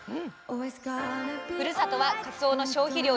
ふるさとはかつおの消費量